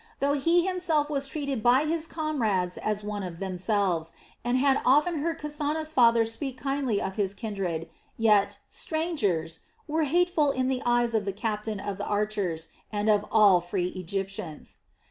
Though he himself was treated by his comrades as one of themselves, and had often heard Kasana's father speak kindly of his kindred, yet "strangers" were hateful in the eyes of the captain of the archers, and of all free Egyptians.